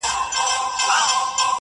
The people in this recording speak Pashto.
بېله ځنډه به دې یوسي تر خپل کلي!.